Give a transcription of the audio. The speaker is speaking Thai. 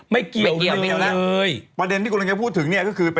ไม่เกี่ยวกับพี่แล้วประเด็นที่กุศิษย์เองพูดถึงก็คือ